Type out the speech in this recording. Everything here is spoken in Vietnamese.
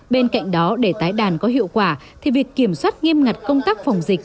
bên cạnh đó để tái đàn có hiệu quả thì việc kiểm soát nghiêm ngặt công tác phòng dịch